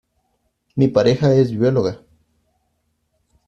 Mi pareja es bióloga.